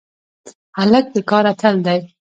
هلک د کار اتل دی.